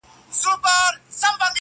زړه یوسې او پټ یې په دسمال کي کړې بدل,